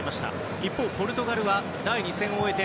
一方、ポルトガルは第２戦を終えて